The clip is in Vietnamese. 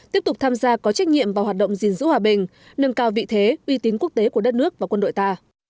tiếp tục tham gia có trách nhiệm vào hoạt động gìn giữ hòa bình nâng cao vị thế uy tín quốc tế của đất nước và quân đội ta